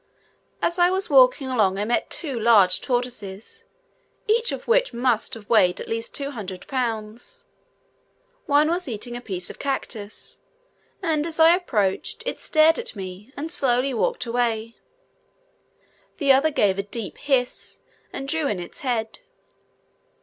As I was walking along I met two large tortoises, each of which must have weighed at least two hundred pounds: one was eating a piece of cactus, and as I approached, it stared at me and slowly walked away; the other gave a deep hiss, and drew in its head.